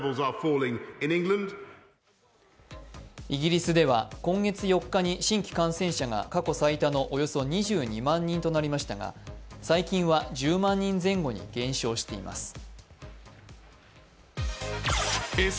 イギリスでは今月４日に新規感染者が過去最多のおよそ２２万人となりましたが、最近は１０万人前後に減少しています。